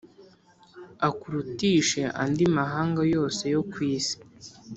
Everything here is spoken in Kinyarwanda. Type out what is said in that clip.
akurutishe andi mahanga yose yo ku isi+